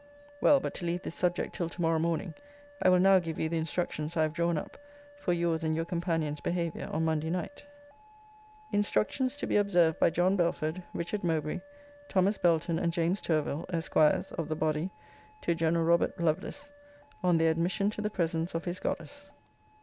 Well, but to leave this subject till to morrow morning, I will now give you the instructions I have drawn up for your's and your companions' behaviour on Monday night. Instructions to be observed by John Belford, Richard Mowbray, Thomas Belton, and James Tourville, Esquires of the Body to General Robert Lovelace, on their admission to the presence of his Goddess.